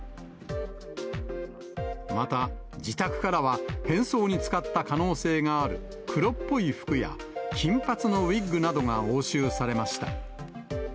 また、自宅からは変装に使った可能性がある、黒っぽい服や金髪のウイッグなどが押収されました。